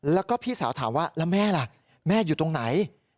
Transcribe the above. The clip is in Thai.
แล้วก็พี่สาวถามว่าแล้วแม่ล่ะแม่อยู่ตรงไหน